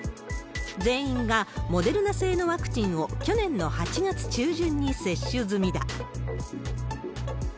全員がモデルナ製のワクチンを、去年の８月中旬に接種済みだ。